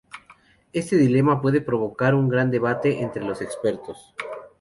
Este dilema puede provocar un gran debate entre los expertos.